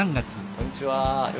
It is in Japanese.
こんにちは。